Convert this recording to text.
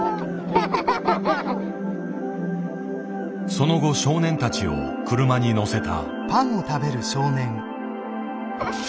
その後少年たちを車に乗せた。